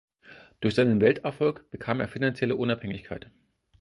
Durch seinen Welterfolg bekam er finanzielle Unabhängigkeit.